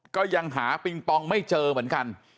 ก็ยังหาปิงปองไม่เจอเหมือนกัน